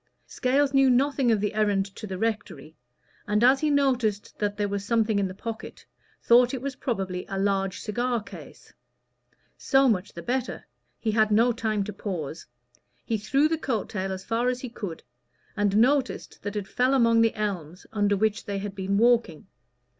Scales knew nothing of the errand to the rectory; and as he noticed that there was something in the pocket, thought it was probably a large cigar case. So much the better he had no time to pause. He threw the coat tail as far as he could, and noticed that it fell among the elms under which they had been walking.